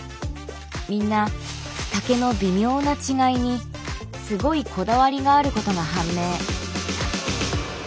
みんな丈の微妙な違いにすごいこだわりがあることが判明。